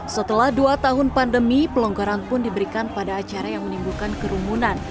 setelah dua tahun pandemi pelonggaran pun diberikan pada acara yang menimbulkan kerumunan